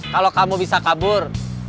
kalau kamu bisa kabur